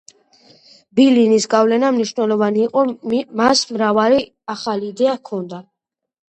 ბოლინის გავლენა მნიშვნელოვანი იყო, მას მრავალი ახალი იდეა ჰქონდა.